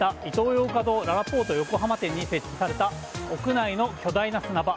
ヨーカドーららぽーと横浜店に設置された屋内の巨大な砂場。